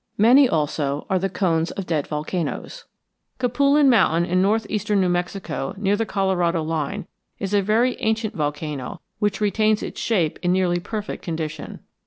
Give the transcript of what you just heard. Many also are the cones of dead volcanoes. Capulin Mountain in northeastern New Mexico near the Colorado line is a very ancient volcano which retains its shape in nearly perfect condition.